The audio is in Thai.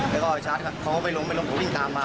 แล้วเล็กไว้ชัดแล้วเขาไม่ลงของวิ่งหลังตามมา